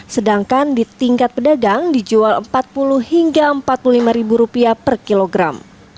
sedangkan di tingkat pedagang dijual rp empat puluh hingga rp empat puluh lima per kilogram